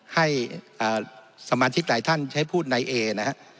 ให้สมาชิกหลายท่านใช้พูดในเอนะฮะ